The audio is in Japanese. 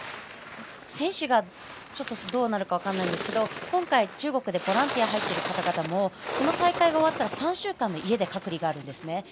選手がどうなるか分からないんですが今回、中国でボランティアに入っている方々もこの大会が終わったら３週間の家で隔離があるんですね。